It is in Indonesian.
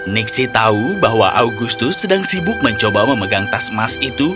nixi tahu bahwa agustus sedang sibuk mencoba memegang tas emas itu